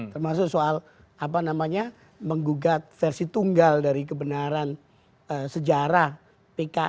termasuk soal apa namanya menggugat versi tunggal dari kebenaran sejarah pki